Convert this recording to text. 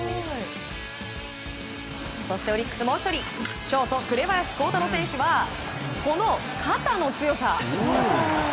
そしてオリックス、もう１人ショート、紅林弘太郎選手はこの肩の強さ！